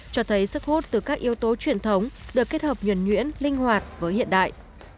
cho thấy sức hút từ các yếu tố truyền thống được kết hợp nhuẩn nhuyễn linh hoạt với hiện đại